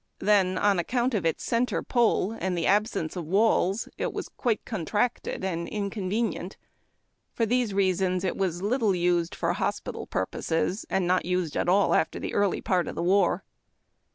Then, on account of its centre pole and the absence of walls, it was quite contracted and inconvenient. For these reasons it was little used for hospital purposes, and not used at all after the early part of the war.